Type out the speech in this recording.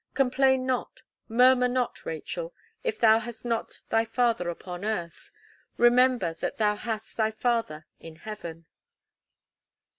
Complain not, murmur not, Rachel, if thou hast not thy father upon earth, remember that thou hast thy Father in Heaven!"